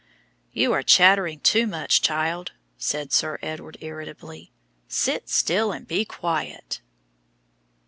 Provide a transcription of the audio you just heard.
"You are chattering too much, child," said Sir Edward irritably; "sit still and be quiet."